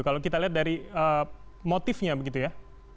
kalau kita lihat dari motifnya begitu ya